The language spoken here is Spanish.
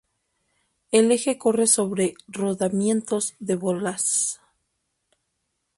El eje corre sobre rodamientos de bolas.